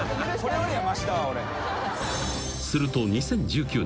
［すると２０１９年］